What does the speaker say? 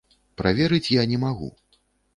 Праверыць я не магу.